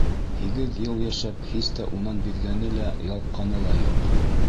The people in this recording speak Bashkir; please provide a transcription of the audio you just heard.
Һигеҙ йыл йәшәп, һис тә унан биҙгәне лә, ялҡҡаны ла юҡ.